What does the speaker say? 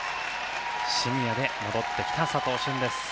シニアで戻ってきた佐藤駿です。